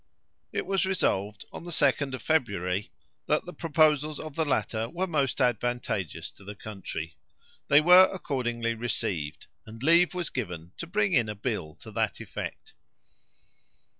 It was resolved, on the 2d of February, that the proposals of the latter were most advantageous to the country. They were accordingly received, and leave was given to bring in a bill to that effect.